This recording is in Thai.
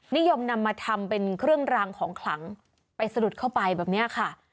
นิยมนำมาทำเป็นเครื่องรางของขลังไปสะดุดเข้าไปแบบนี้ค่ะ